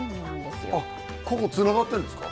あっここつながってんですか？